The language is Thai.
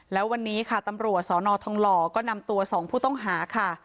แล้ววันนี้ค่ะตำรวจสนทองหล่อก็นำตัว๒ผู้ต้องหาค่ะ